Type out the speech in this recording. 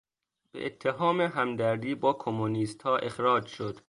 به اتهام همدردی با کمونیستها اخراج شد.